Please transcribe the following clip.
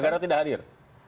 negara tidak hadir